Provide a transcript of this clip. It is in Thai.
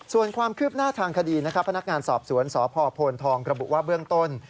ส่วนความคืบหน้าทางคดีพนักงานสอบสวนสพธกระบุวะเบื้องต้น